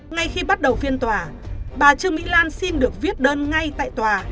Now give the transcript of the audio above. ngay khi bắt đầu phiên tòa bà trương mỹ lan xin được viết đơn ngay tại tòa